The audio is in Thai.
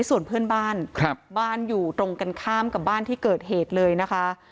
ส่วนเพื่อนบ้านบ้านอยู่ตรงกันข้ามกับบ้านที่เกิดเหตุเลยนะคะ